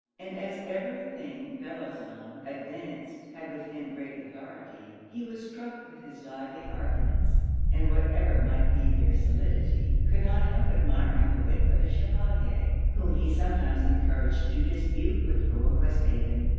And as every thing Bellozane advanced had with him great authority, he was struck with his lively arguments; and whatever might be their solidity, could not help admiring the wit of the Chevalier, whom he sometimes encouraged to dispute with Lord Westhaven.